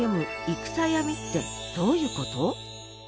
「いくさやみ」ってどういうこと？